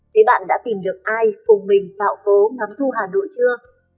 thế bạn đã tìm được ai cùng mình dạo phố ngắm thu hà nội chưa